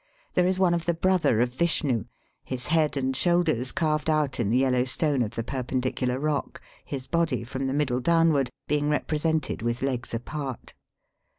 There is one of the brother of Vishnu, his head and shoulders carved out in the yellow stone of the perpendicular rock, his body from the middle downward being represented with legs apart.